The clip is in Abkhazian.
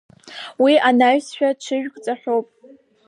Уи анаҩсшәа ҽызк ҿаҳәоуп.